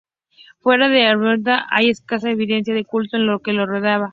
Fuera de la hagiografía, hay escasa evidencia del culto que le rodeaba.